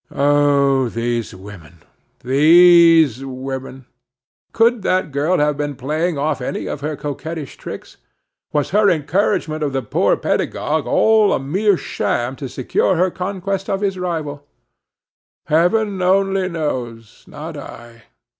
Oh, these women! these women! Could that girl have been playing off any of her coquettish tricks? Was her encouragement of the poor pedagogue all a mere sham to secure her conquest of his rival? Heaven only knows, not I!